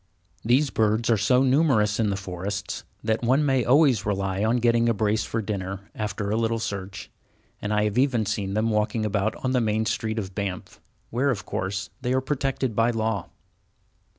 These birds are so numerous in the forests that one may always rely on getting a brace for dinner, after a little search, and I have even seen them walking about on the main street of Banff, where, of course, they are protected by law.